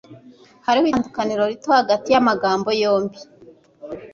Hariho itandukaniro rito hagati yamagambo yombi.